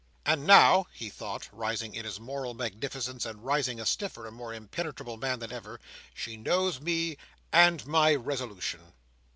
"And now," he thought, rising in his moral magnificence, and rising a stiffer and more impenetrable man than ever, "she knows me and my resolution."